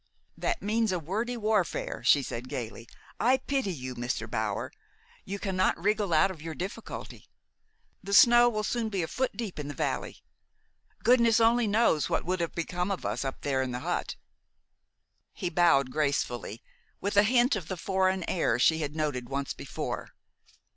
"That means a wordy warfare," she said gayly. "I pity you, Mr. Bower. You cannot wriggle out of your difficulty. The snow will soon be a foot deep in the valley. Goodness only knows what would have become of us up there in the hut!" He bowed gracefully, with a hint of the foreign air she had noted once before.